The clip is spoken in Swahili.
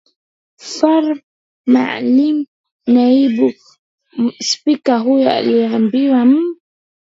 faram maalim naibu spika huyo alimwambia m